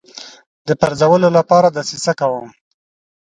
د پرزولو لپاره دسیسه کوم.